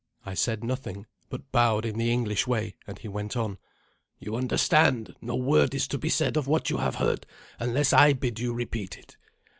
I said nothing, but bowed in the English way, and he went on, "You understand; no word is to be said of what you have heard unless I bid you repeat it.